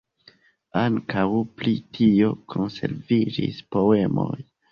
Ankaŭ pri tio konserviĝis poemoj.